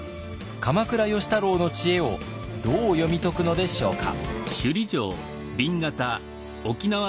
鎌倉芳太郎の知恵をどう読み解くのでしょうか。